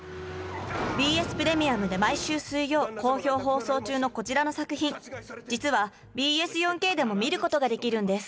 ＢＳプレミアムで毎週水曜好評放送中のこちらの作品実はＢＳ４Ｋでも見ることができるんです